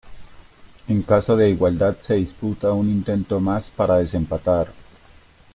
En caso de igualdad se disputa un intento más para desempatar.